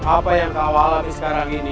apa yang kau alami sekarang ini